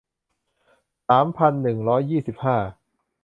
สามพันหนึ่งร้อยยี่สิบห้า